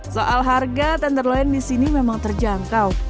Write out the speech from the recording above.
soal harga tenderloin di sini memang terjangkau